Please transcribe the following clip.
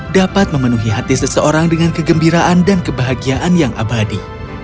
dapat memenuhi hati seseorang dengan kegembiraan dan kebahagiaan yang abadi